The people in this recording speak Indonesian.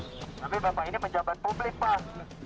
tapi bapak ini menjabat publik pak